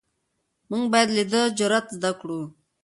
موږ باید له ده جرئت زده کړو.